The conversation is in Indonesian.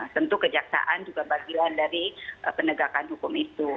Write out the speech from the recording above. tentu kejaksaan juga bagian dari penegakan hukum itu